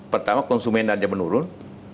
pertama konsumen anda menurun